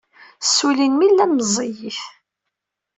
Ssullin mi llan meẓẓiyit.